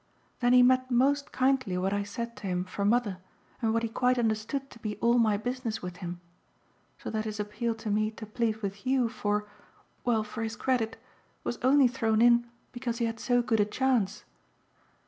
Then he met most kindly what I said to him for mother and what he quite understood to be all my business with him; so that his appeal to me to plead with you for well, for his credit was only thrown in because he had so good a chance."